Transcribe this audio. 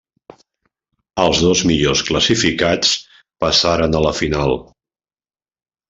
Els dos millors classificats passaren a la final.